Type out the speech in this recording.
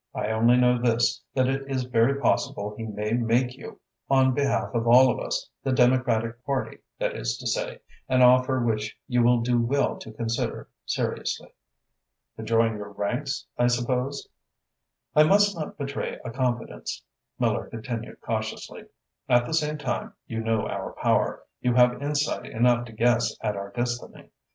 I only know this, that it is very possible he may make you, on behalf of all of us the Democratic Party, that is to say an offer which you will do well to consider seriously." "To join your ranks, I suppose?" "I must not betray a confidence," Miller continued cautiously. "At the same time, you know our power, you have insight enough to guess at our destiny.